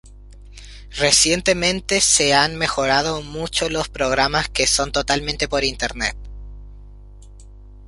Recientemente se han mejorado mucho los programas que son totalmente por internet.